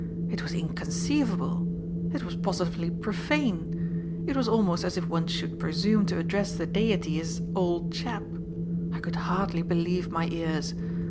It was inconceivable. It was positively profane! It was almost as if one should presume to address the Deity as "old chap." I could hardly believe my ears.